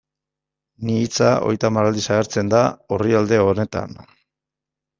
Ni hitza hogeita hamar aldiz agertzen da orrialde honetan.